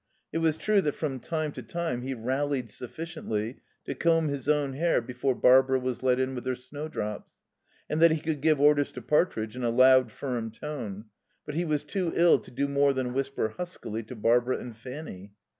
It was true that from time to time he rallied sufficiently to comb his own hair before Barbara was let in with her snowdrops, and that he could give orders to Partridge in a loud, firm tone; but he was too ill to do more than whisper huskily to Barbara and Fanny.